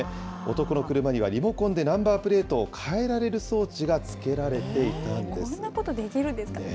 男の車には、リモコンでナンバープレートを変えられる装置が付けられていたんこんなことできるんですか。